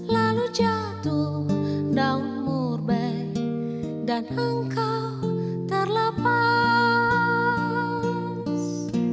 lalu jatuh daun murbe dan engkau terlepas